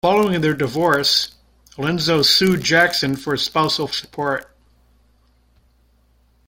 Following their divorce, Elizondo sued Jackson for spousal support.